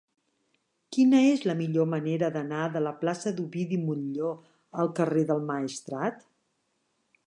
Quina és la millor manera d'anar de la plaça d'Ovidi Montllor al carrer del Maestrat?